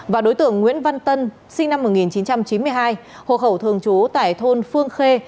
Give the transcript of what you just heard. và đối tượng nguyễn văn tân sinh năm một nghìn chín trăm chín mươi hai hộ khẩu thường trú tại thôn phương khê